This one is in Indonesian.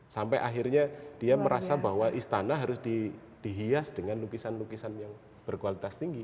sampai akhirnya dia merasa bahwa istana harus dihias dengan lukisan lukisan yang berkualitas tinggi